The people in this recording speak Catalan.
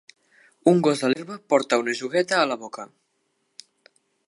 Un gos a l'herba porta una jugueta a la boca.